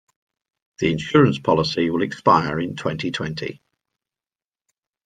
The insurance policy will expire in twenty-twenty.